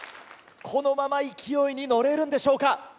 このまま勢いに乗れるんでしょうか？